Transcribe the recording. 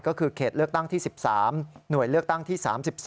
ก็คือเขตเลือกตั้งที่๑๓หน่วยเลือกตั้งที่๓๒